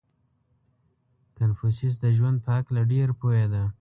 • کنفوسیوس د ژوند په هکله ډېر پوهېده.